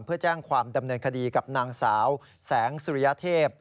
เพื่อแจ้งความดำเนินคดีกับนางสาวแสงสุริยเทพ